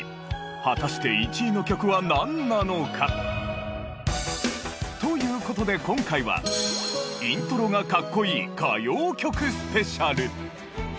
果たして１位の曲はなんなのか？という事で今回はイントロが格好いい歌謡曲スペシャル。